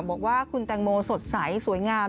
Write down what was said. บอกว่าคุณแตงโมสดใสสวยงาม